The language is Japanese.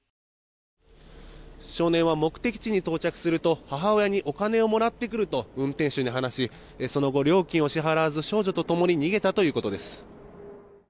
少年は目的地に到着すると母親にお金をもらってくると運転手に話しその後、料金を支払わず少女と共に逃げたということです。